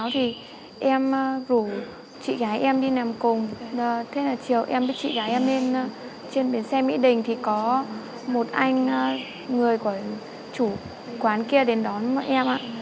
trên biển xe mỹ đình thì có một anh người của chủ quán kia đến đón mọi em ạ